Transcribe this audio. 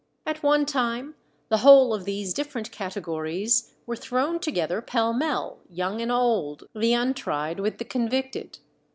At one time the whole of these different categories were thrown together pell mell, young and old, the untried with the convicted.